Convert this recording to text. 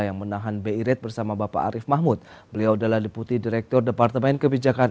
yang menahan bi rate bersama bapak arief mahmud beliau adalah deputi direktur departemen kebijakan